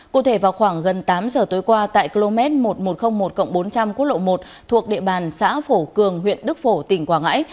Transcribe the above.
cụ thể vào khoảng gần tám giờ tối qua tại km một nghìn một trăm linh một bốn trăm linh quốc lộ một thuộc địa bàn xã phổ cường huyện đức phổ tỉnh quảng ngãi